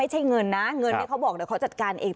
ไม่ใช่เงินนะเงินเนี่ยเขาบอกแต่เค้าเจ็ดการเอง